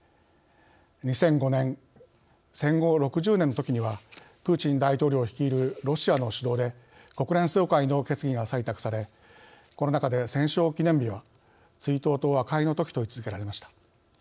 ２００５年戦後６０年のときにはプーチン大統領率いるロシアの主導で国連総会の決議が採択されこの中で戦勝記念日は「追悼と和解」のときと位置づけられました。